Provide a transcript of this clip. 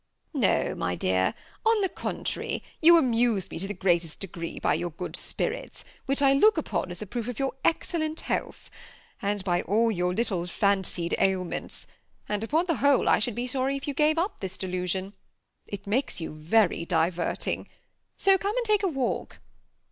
"No, my dear; on the contrary, you amuse me to the greatest degree by your good spirits, which I look 246 THE SEia AlTACHED COUPLB. upon as a proof of yoar excellent health, and by all your little fancied ailments ; and upon the whole I should be sorry if you gave up this delusion. It makes you Tery diverting ; so come and take a walk."